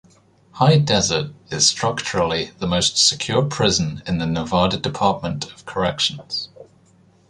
High Desert is structurally the most secure prison in the Nevada Department of Corrections.